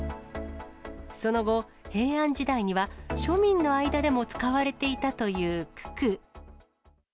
その後、平安時代には、庶民の間でも使われていたという九九。